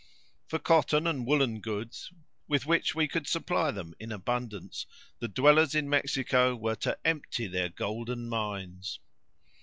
For cotton and woollen goods, with which we could supply them in abundance, the dwellers in Mexico were to empty their golden mines.